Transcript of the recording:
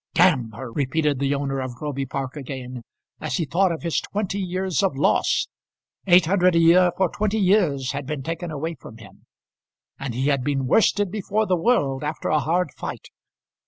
"D her!" repeated the owner of Groby Park again, as he thought of his twenty years of loss. Eight hundred a year for twenty years had been taken away from him; and he had been worsted before the world after a hard fight.